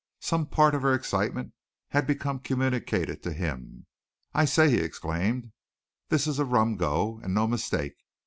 Some part of her excitement had become communicated to him. "I say," he exclaimed, "this is a rum go, and no mistake!